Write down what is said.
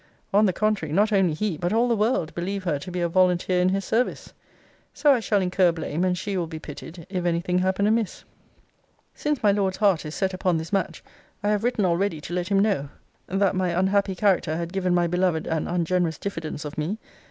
On the contrary, not only he, but all the world believe her to be a volunteer in his service. So I shall incur blame, and she will be pitied, if any thing happen amiss. Since my Lord's heart is set upon this match, I have written already to let him know, 'That my unhappy character had given my beloved an ungenerous diffidence of me.